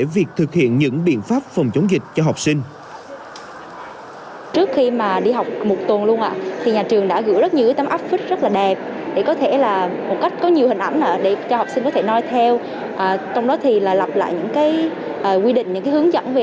việc thực hiện những biện pháp phòng chống dịch cho học sinh